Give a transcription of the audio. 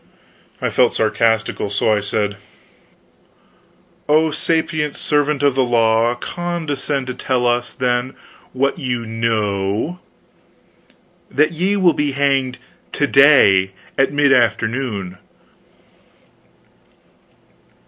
I felt sarcastical, so I said: "Oh, sapient servant of the law, condescend to tell us, then, what you know." "That ye will all be hanged to day, at mid afternoon!